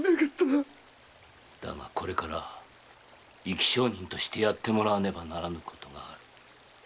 これから生き証人としてやってもらわねばならぬことがある。